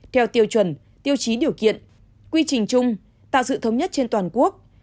theo tiêu chuẩn tiêu chí điều kiện quy trình chung tạo sự thống nhất trên toàn quốc